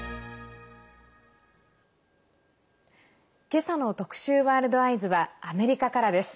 けさの特集「ワールドＥＹＥＳ」はアメリカからです。